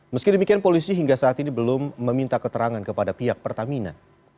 meski demikian polisi hingga saat ini belum meminta keterangan kepada pihak pertamina